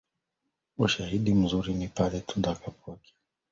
Ushahidi mzuri ni pale utakapowasili katika jiji la Gaborone